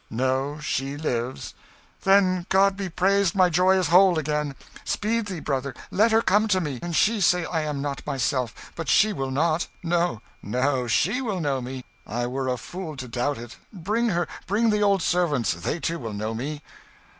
No, she lives." "Then, God be praised, my joy is whole again! Speed thee, brother let her come to me! An' she say I am not myself but she will not; no, no, she will know me, I were a fool to doubt it. Bring her bring the old servants; they, too, will know me."